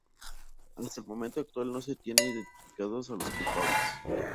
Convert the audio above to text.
Hasta el momento actual, no se tiene identificados a los culpables.